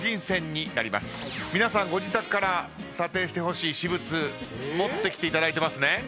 皆さんご自宅から査定してほしい私物持ってきていただいてますね？